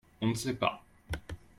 on ne sait pas.